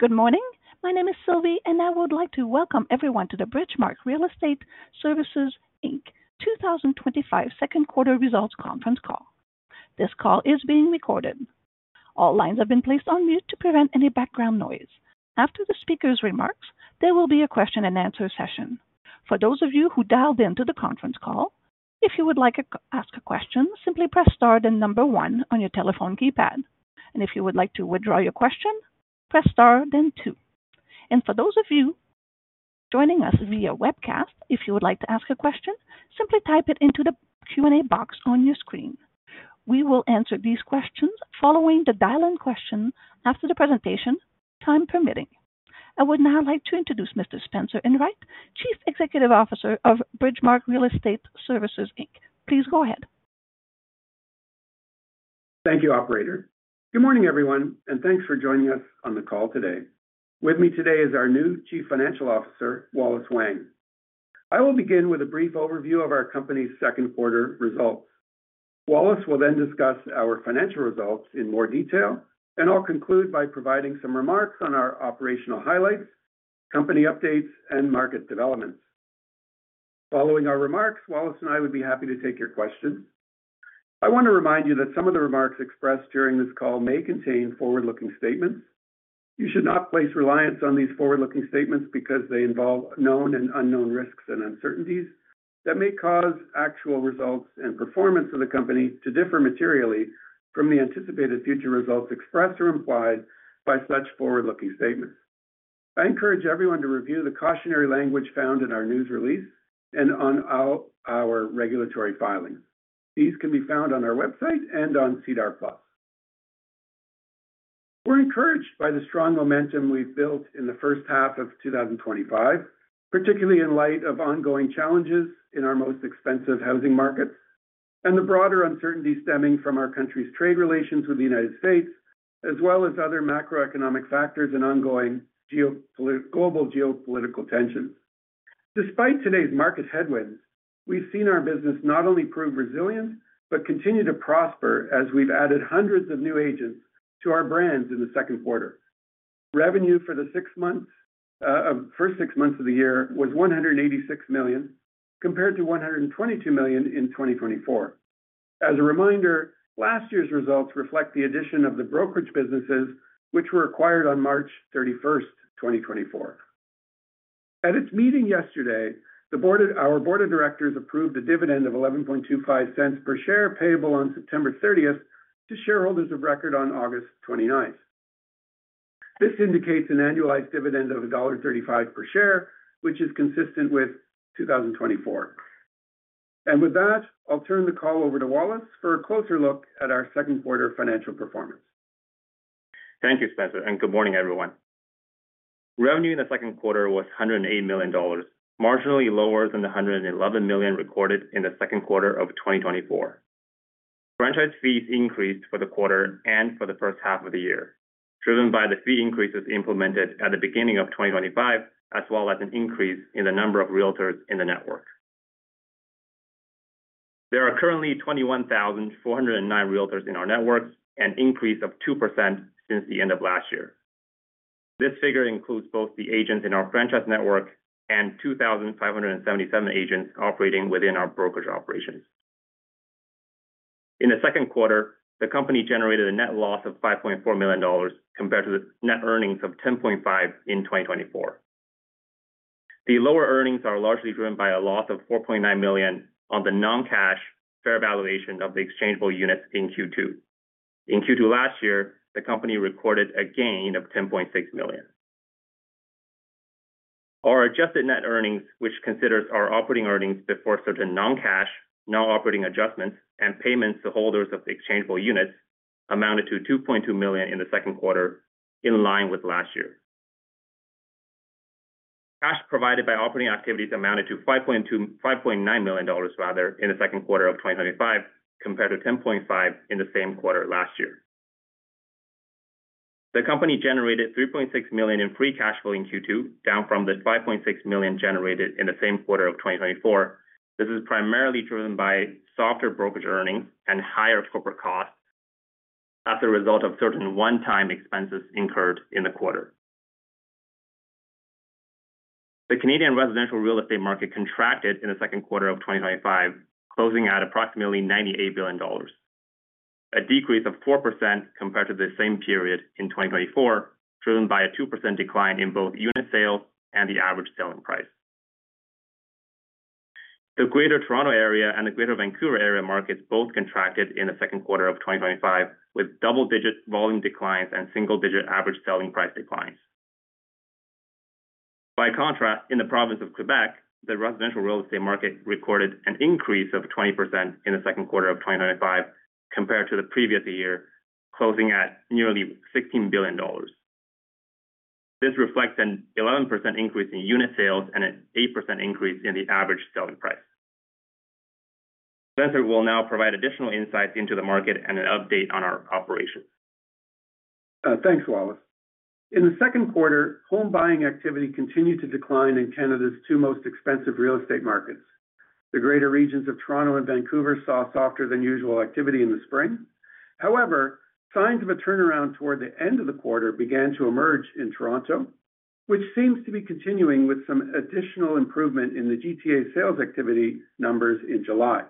Good morning. My name is Sylvie, and I would like to welcome everyone to the Bridgemarq Real Estate Services Inc. 2025 Second Quarter Results Conference Call. This call is being recorded. All lines have been placed on mute to prevent any background noise. After the speaker's remarks, there will be a question-and-answer session. For those of you who dialed in to the conference call, if you would like to ask a question, simply press star then number one on your telephone keypad. If you would like to withdraw your question, press star then two. For those of you joining us via webcast, if you would like to ask a question, simply type it into the Q&A box on your screen. We will answer these questions following the dial-in question after the presentation, time permitting. I would now like to introduce Mr. Spencer Enright, Chief Executive Officer of Bridgemarq Real Estate Services Inc. Please go ahead. Thank you, Operator. Good morning, everyone, and thanks for joining us on the call today. With me today is our new Chief Financial Officer, Wallace Wang. I will begin with a brief overview of our company's second-quarter results. Wallace will then discuss our financial results in more detail, and I'll conclude by providing some remarks on our operational highlights, company updates, and market developments. Following our remarks, Wallace and I would be happy to take your questions. I want to remind you that some of the remarks expressed during this call may contain forward-looking statements. You should not place reliance on these forward-looking statements because they involve known and unknown risks and uncertainties that may cause actual results and performance of the company to differ materially from the anticipated future results expressed or implied by such forward-looking statements. I encourage everyone to review the cautionary language found in our news release and on our regulatory filings. These can be found on our website and on SEDAR+. We're encouraged by the strong momentum we've built in the first half of 2025, particularly in light of ongoing challenges in our most expensive housing market and the broader uncertainty stemming from our country's trade relations with the United States, as well as other macroeconomic factors and ongoing global geopolitical tensions. Despite today's market headwinds, we've seen our business not only prove resilient but continue to prosper as we've added hundreds of new agents to our brands in the second quarter. Revenue for the six months of the first six months of the year was $186 million, compared to $122 million in 2024. As a reminder, last year's results reflect the addition of the brokerage businesses which were acquired on March 31st, 2024. At its meeting yesterday, our Board of Directors approved a dividend of $1.125 per share payable on September 30th to shareholders of record on August 29. This indicates an annualized dividend of $1.35 per share, which is consistent with 2024. With that, I'll turn the call over to Wallace for a closer look at our second quarter financial performance. Thank you, Spencer, and good morning, everyone. Revenue in the second quarter was $108 million, marginally lower than the $111 million recorded in the second quarter of 2024. Franchise fees increased for the quarter and for the first half of the year, driven by the fee increases implemented at the beginning of 2025, as well as an increase in the number of realtors in the network. There are currently 21,409 realtors in our network, an increase of 2% since the end of last year. This figure includes both the agents in our franchise network and 2,577 agents operating within our brokerage operations. In the second quarter, the company generated a net loss of $5.4 million compared to net earnings of $10.5 million in 2024. The lower earnings are largely driven by a loss of $4.9 million on the non-cash fair valuation of the exchangeable units in Q2. In Q2 last year, the company recorded a gain of $10.6 million. Our adjusted net earnings, which considers our operating earnings before certain non-cash non-operating adjustments and payments to holders of exchangeable units, amounted to $2.2 million in the second quarter, in line with last year. Cash provided by operating activities amounted to $5.9 million in the second quarter of 2025, compared to $10.5 million in the same quarter last year. The company generated $3.6 million in free cash flow in Q2, down from the $5.6 million generated in the same quarter of 2024. This is primarily driven by softer brokerage earnings and higher corporate costs as a result of certain one-time expenses incurred in the quarter. The Canadian residential real estate market contracted in the second quarter of 2025, closing at approximately $98 billion, a decrease of 4% compared to the same period in 2024, driven by a 2% decline in both unit sales and the average selling price. The Greater Toronto Area and the Greater Vancouver Area markets both contracted in the second quarter of 2025, with double-digit volume declines and single-digit average selling price declines. By contrast, in the province of Quebec, the residential real estate market recorded an increase of 20% in the second quarter of 2025 compared to the previous year, closing at nearly $16 billion. This reflects an 11% increase in unit sales and an 8% increase in the average selling price. Spencer will now provide additional insights into the market and an update on our operations. Thanks, Wallace. In the second quarter, home buying activity continued to decline in Canada's two most expensive real estate markets. The Greater Toronto Area and Vancouver Area saw softer-than-usual activity in the spring. However, signs of a turnaround toward the end of the quarter began to emerge in Toronto, which seems to be continuing with some additional improvement in the GTA sales activity numbers in July.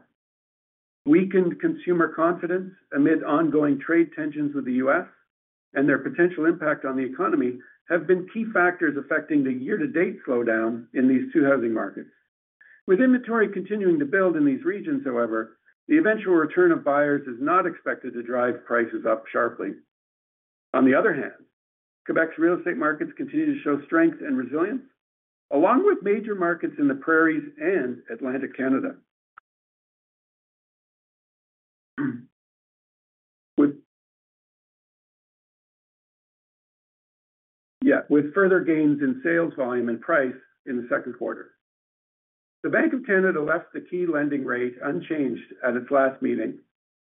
Weakened consumer confidence amid ongoing trade tensions with the U.S. and their potential impact on the economy have been key factors affecting the year-to-date slowdown in these two housing markets. With inventory continuing to build in these regions, the eventual return of buyers is not expected to drive prices up sharply. On the other hand, Quebec's real estate markets continue to show strength and resilience, along with major markets in the Prairies and Atlantic Canada, yet with further gains in sales volume and price in the second quarter. The Bank of Canada left the key lending rate unchanged at its last meeting,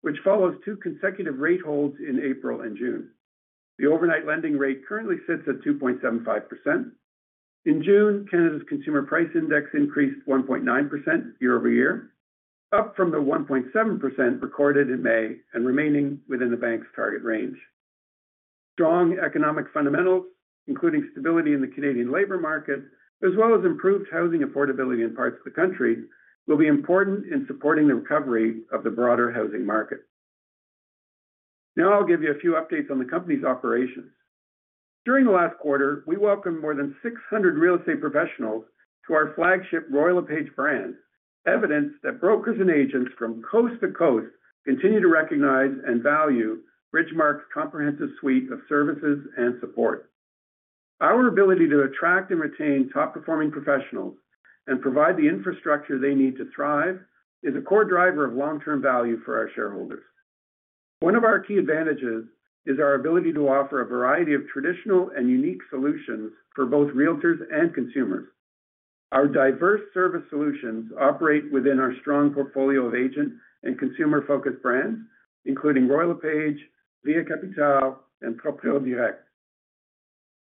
which follows two consecutive rate holds in April and June. The overnight lending rate currently sits at 2.75%. In June, Canada's consumer price index increased 1.9% year over year, up from the 1.7% recorded in May and remaining within the bank's target range. Strong economic fundamentals, including stability in the Canadian labor market, as well as improved housing affordability in parts of the country, will be important in supporting the recovery of the broader housing market. Now I'll give you a few updates on the company's operations. During the last quarter, we welcomed more than 600 real estate professionals to our flagship Royal LePage brand, evidence that brokers and agents from coast to coast continue to recognize and value Bridgemarq's comprehensive suite of services and support. Our ability to attract and retain top-performing professionals and provide the infrastructure they need to thrive is a core driver of long-term value for our shareholders. One of our key advantages is our ability to offer a variety of traditional and unique solutions for both realtors and consumers. Our diverse service solutions operate within our strong portfolio of agent and consumer-focused brands, including Royal LePage, Via Capitale, and Proprio Direct.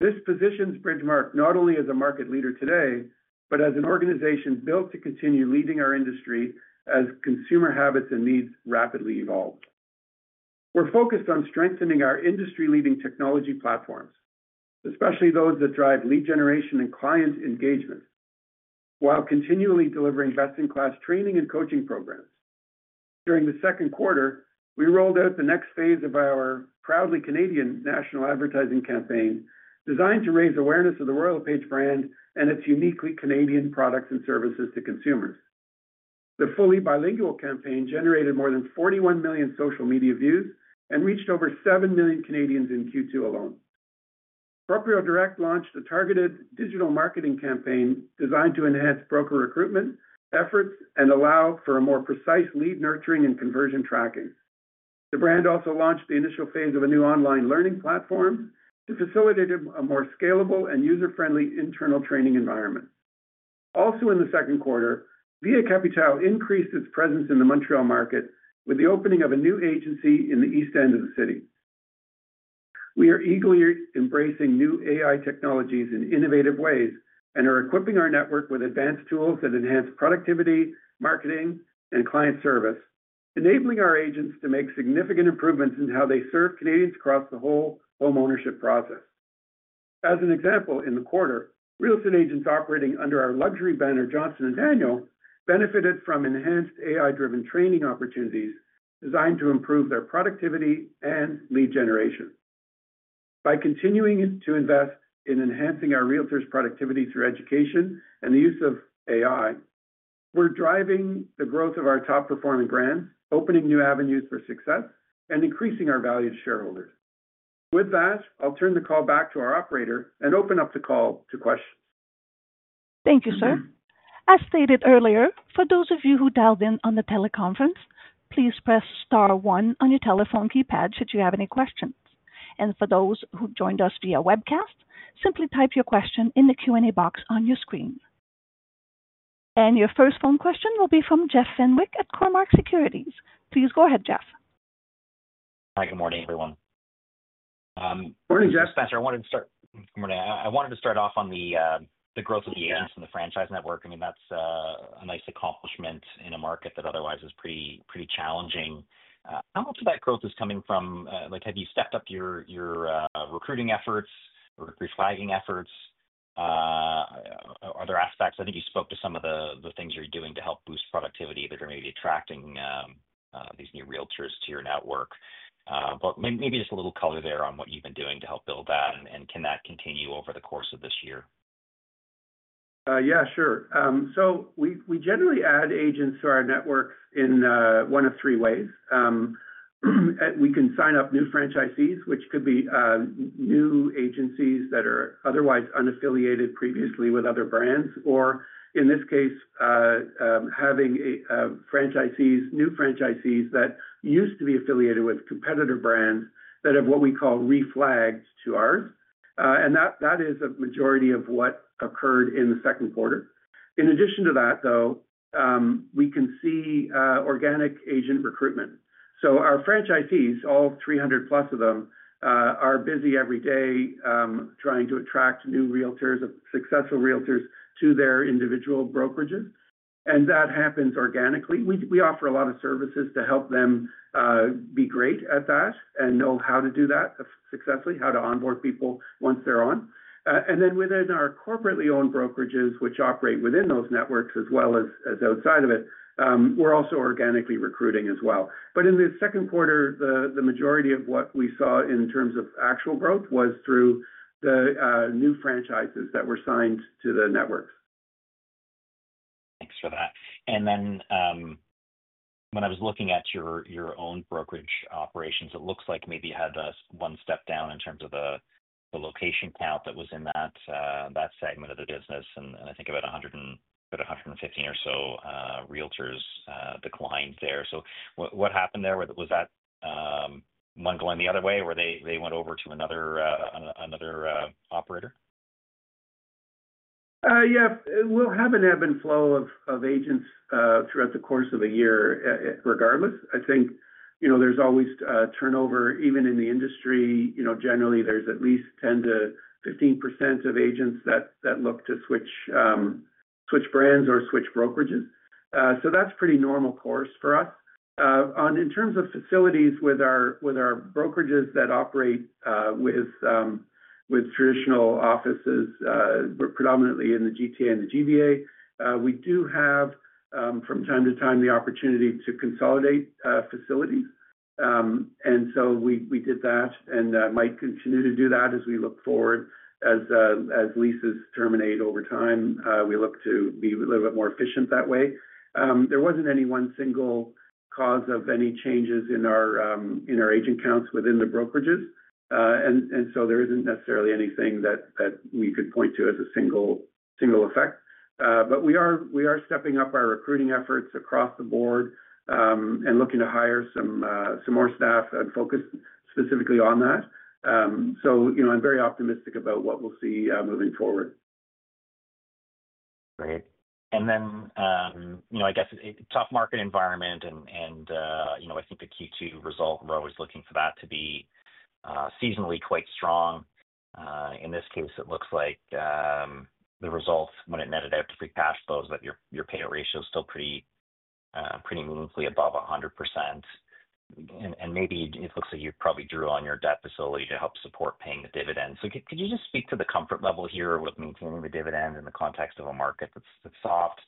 This positions Bridgemarq not only as a market leader today, but as an organization built to continue leading our industry as consumer habits and needs rapidly evolve. We're focused on strengthening our industry-leading technology platforms, especially those that drive lead generation and client engagement, while continually delivering best-in-class training and coaching programs. During the second quarter, we rolled out the next phase of our proudly Canadian national advertising campaign, designed to raise awareness of the Royal LePage brand and its uniquely Canadian products and services to consumers. The fully bilingual campaign generated more than 41 million social media views and reached over 7 million Canadians in Q2 alone. Proprio Direct launched a targeted digital marketing campaign designed to enhance broker recruitment efforts and allow for more precise lead nurturing and conversion tracking. The brand also launched the initial phase of a new online learning platform to facilitate a more scalable and user-friendly internal training environment. Also in the second quarter, Via Capitale increased its presence in the Montreal market with the opening of a new agency in the east end of the city. We are eagerly embracing new AI technologies in innovative ways and are equipping our network with advanced tools that enhance productivity, marketing, and client service, enabling our agents to make significant improvements in how they serve Canadians across the whole homeownership process. As an example, in the quarter, real estate agents operating under our luxury banner, Johnston & Daniels, benefited from enhanced AI-driven training opportunities designed to improve their productivity and lead generation. By continuing to invest in enhancing our realtors' productivity through education and the use of AI, we're driving the growth of our top-performing brands, opening new avenues for success, and increasing our value to shareholders. With that, I'll turn the call back to our Operator and open up the call to questions. Thank you, sir. As stated earlier, for those of you who dialed in on the teleconference, please press star one on your telephone keypad should you have any questions. For those who joined us via webcast, simply type your question in the Q&A box on your screen. Your first phone question will be from Jeff Fenwick at Cormark Securities. Please go ahead, Jeff. Hi, good morning, everyone. Morning, Jeff. Spencer, I wanted to start. Morning. I wanted to start off on the growth of the agents in the franchise network. That's a nice accomplishment in a market that otherwise is pretty challenging. How much of that growth is coming from? Have you stepped up your recruiting efforts or your flagging efforts? Are there aspects? I think you spoke to some of the things you're doing to help boost productivity that are maybe attracting these new realtors to your network. Maybe just a little color there on what you've been doing to help build that. Can that continue over the course of this year? Yeah, sure. We generally add agents to our network in one of three ways. We can sign up new franchisees, which could be new agencies that are otherwise unaffiliated previously with other brands, or in this case, having new franchisees that used to be affiliated with competitor brands that have what we call reflagged to ours. That is a majority of what occurred in the second quarter. In addition to that, we can see organic agent recruitment. Our franchisees, all 300+ of them, are busy every day trying to attract new realtors, successful realtors to their individual brokerages. That happens organically. We offer a lot of services to help them be great at that and know how to do that successfully, how to onboard people once they're on. Within our corporately owned brokerages, which operate within those networks as well as outside of it, we're also organically recruiting as well. In the second quarter, the majority of what we saw in terms of actual growth was through the new franchises that were signed to the networks. Thanks for that. When I was looking at your own brokerage operations, it looks like maybe you had one step down in terms of the location count that was in that segment of the business. I think about 150 or so realtors declined there. What happened there? Was that one going the other way where they went over to another operator? Yeah, we'll have an ebb and flow of agents throughout the course of a year, regardless. I think there's always turnover, even in the industry. Generally, there's at least 10%-15% of agents that look to switch brands or switch brokerages. That's a pretty normal course for us. In terms of facilities with our brokerages that operate with traditional offices, predominantly in the GTA and the GVA, we do have, from time to time, the opportunity to consolidate facilities. We did that and might continue to do that as we look forward. As leases terminate over time, we look to be a little bit more efficient that way. There wasn't any one single cause of any changes in our agent counts within the brokerages. There isn't necessarily anything that we could point to as a single effect. We are stepping up our recruiting efforts across the board and looking to hire some more staff and focus specifically on that. I'm very optimistic about what we'll see moving forward. Right. I guess a tough market environment, and I think the Q2 result, we're always looking for that to be seasonally quite strong. In this case, it looks like the results, when it netted out to free cash flows, but your payout ratio is still pretty meaningfully above 100%. It looks like you probably drew on your debt facility to help support paying the dividend. Could you just speak to the comfort level here with maintaining the dividend in the context of a market that's soft?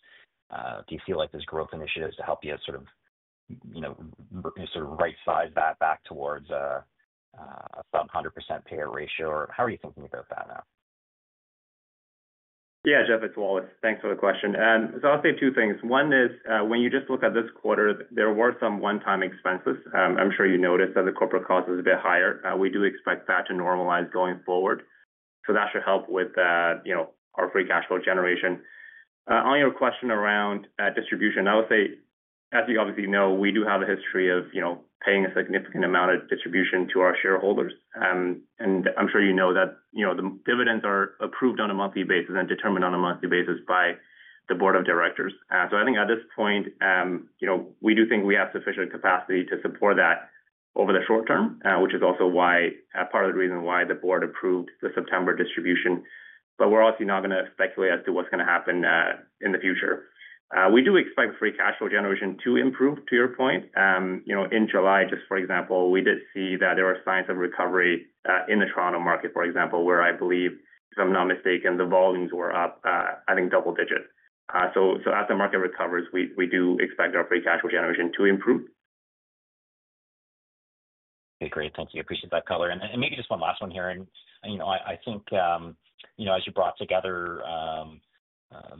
Do you feel like there's growth initiatives to help you sort of right-size that back towards about 100% payout ratio? How are you thinking about that now? Yeah, Jeff, it's Wallace. Thanks for the question. I'll say two things. One is when you just look at this quarter, there were some one-time expenses. I'm sure you noticed that the corporate cost is a bit higher. We do expect that to normalize going forward. That should help with our free cash flow generation. On your question around distribution, I would say, as you obviously know, we do have a history of paying a significant amount of distribution to our shareholders. I'm sure you know that the dividends are approved on a monthly basis and determined on a monthly basis by the Board of Directors. I think at this point, we do think we have sufficient capacity to support that over the short term, which is also part of the reason why the Board approved the September distribution. We're obviously not going to speculate as to what's going to happen in the future. We do expect free cash flow generation to improve to your point. In July, for example, we did see that there were signs of recovery in the Toronto market, for example, where I believe, if I'm not mistaken, the volumes were up, I think, double digits. As the market recovers, we do expect our free cash flow generation to improve. Okay, great. Thanks. I appreciate that color. Maybe just one last one here. I think, as you brought together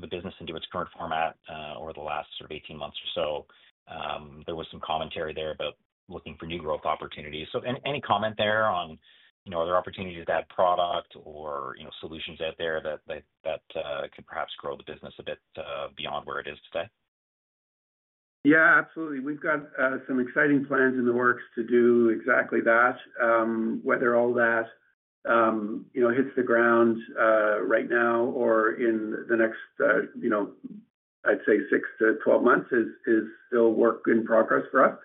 the business into its current format over the last sort of 18 months or so, there was some commentary there about looking for new growth opportunities. Any comment there on, are there opportunities to add product or solutions out there that could perhaps grow the business a bit beyond where it is today? Yeah, absolutely. We've got some exciting plans in the works to do exactly that. Whether all that hits the ground right now or in the next, I'd say 6 months-12 months is still work in progress for us.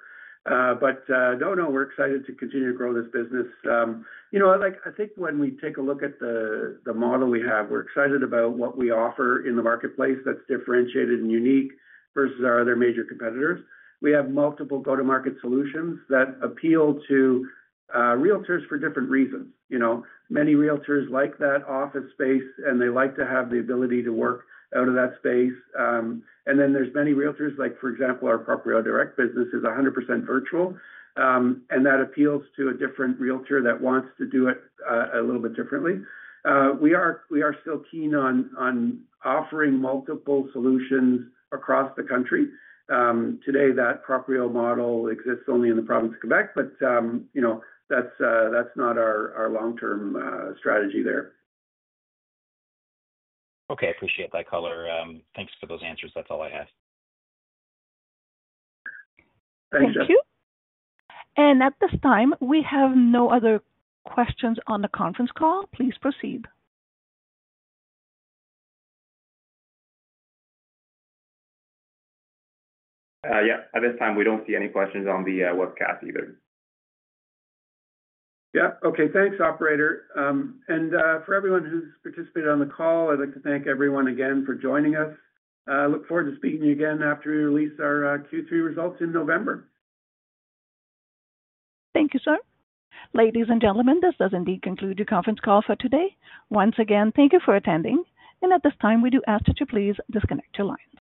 We're excited to continue to grow this business. I think when we take a look at the model we have, we're excited about what we offer in the marketplace that's differentiated and unique versus our other major competitors. We have multiple go-to-market solutions that appeal to realtors for different reasons. Many realtors like that office space, and they like to have the ability to work out of that space. Then there's many realtors, like, for example, our Proprio Direct business is 100% virtual. That appeals to a different realtor that wants to do it a little bit differently. We are still keen on offering multiple solutions across the country. Today, that Proprio model exists only in the province of Quebec, but that's not our long-term strategy there. Okay, I appreciate that color. Thanks for those answers. That's all I had. Thanks, Jeff. Thank you. At this time, we have no other questions on the conference call. Please proceed. At this time, we don't see any questions on the webcast either. Okay, thanks, Operator. For everyone who's participated on the call, I'd like to thank everyone again for joining us. I look forward to speaking to you again after we release our Q3 results in November. Thank you, sir. Ladies and gentlemen, this does indeed conclude the conference call for today. Once again, thank you for attending. At this time, we do ask that you please disconnect your line.